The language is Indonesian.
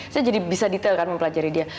saya jadi bisa detailkan mempelajari dia